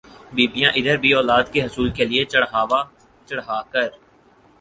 بیبیاں ادھر بھی اولاد کے حصول کےلئے چڑھاوا چڑھا کر